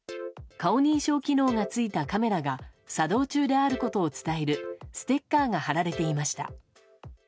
顔認証機能がついたカメラが作動中であることを伝えるステッカーが貼られていました。